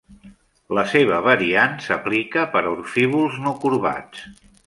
La seva variant s'aplica per a orbifolds no corbats.